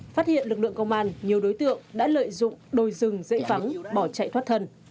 phát hiện lực lượng công an nhiều đối tượng đã lợi dụng đồi rừng dễ vắng bỏ chạy thoát thần